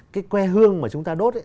cái que hương mà chúng ta đốt ấy